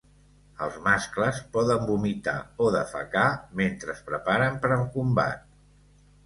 Els mascles poden vomitar o defecar mentre es preparen per al combat.